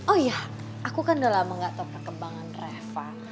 oh iya aku kan udah lama gak tau perkembangan dreva